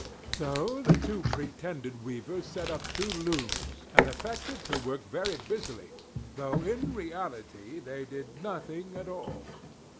So the two pretended weavers set up two looms, and affected to work very busily, though in reality they did nothing at all.